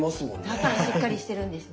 だからしっかりしてるんですね。